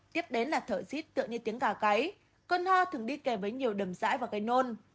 tiếp đến là thở rít tựa như tiếng gà cấy cơn hoa thường đi kèm với nhiều đầm rãi và gây nôn